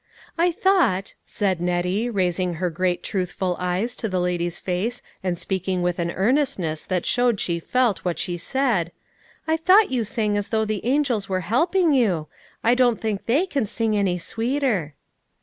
'* "I thought," said Nettie, raising her great truthful eyes to the lady's face and speaking with an earnestness that showed she felt what she said, " I thought you sang as though the angels were helping you. I don't think they can sing any sweeter."